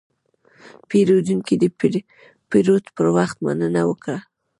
پیرودونکی د پیرود پر وخت مننه وکړه.